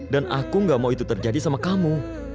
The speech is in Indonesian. dan aku gak mau itu terjadi sama kamu